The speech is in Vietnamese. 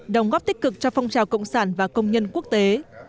đồng góp tích cực cho phong trào cộng sản và công nhân quốc tế